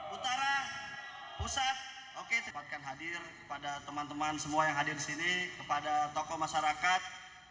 utara pusat oke teman teman semua yang hadir di sini kepada tokoh masyarakat